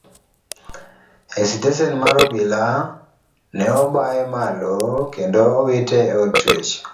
E sitesen mar obila ne obaye malo kendo owite e od twech.